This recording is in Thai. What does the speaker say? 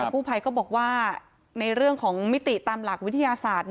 กู้ภัยก็บอกว่าในเรื่องของมิติตามหลักวิทยาศาสตร์